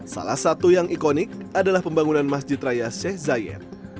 salah satu yang ikonik adalah pembangunan masjid raya sheikh zayed